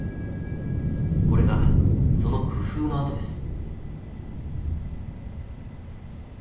これがその工夫の跡です。